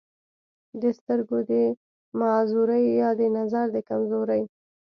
دَسترګو دَمعذورۍ يا دَنظر دَکمزورۍ